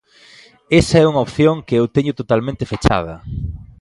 Esa é unha opción que eu teño totalmente fechada.